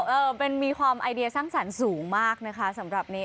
เออเป็นมีความไอเดียสร้างสรรค์สูงมากนะคะสำหรับนี้